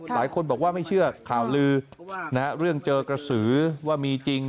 หลายคนบอกว่าไม่เชื่อข่าวลือเรื่องเจอกระสือว่ามีจริง